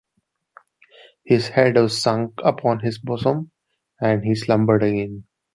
His head was sunk upon his bosom; and he slumbered again.